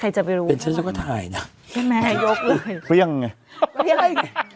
ใครจะไปรู้เป็นฉันซึ่งก็ถ่ายน่ะใช่ไหมยกเลยเฟรี่ยงไง